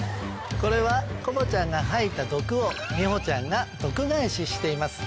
これはコボちゃんが吐いた毒をミホちゃんが毒返ししています。